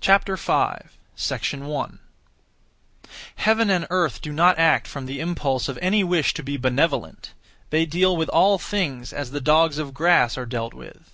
5. 1. Heaven and earth do not act from (the impulse of) any wish to be benevolent; they deal with all things as the dogs of grass are dealt with.